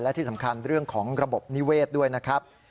และที่สำคัญเรื่องของระบบนิเวศด้วยนะครับ